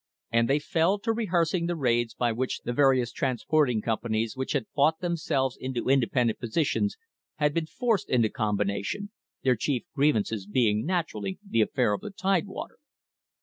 And they fell to rehears ing the raids by which the various transporting companies which had fought themselves into independent positions had been forced into combination, their chief grievances being naturally the affair of the Tidewater.